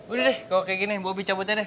udah deh kalau kayak gini bobby cabut aja deh